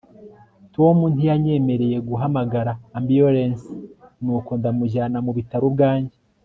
tom ntiyanyemereye guhamagara ambulanse nuko ndamujyana mu bitaro ubwanjye